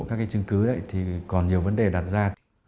các cái chứng cứ đấy thì còn nhiều vấn đề đặt ra